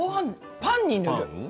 パンに塗る。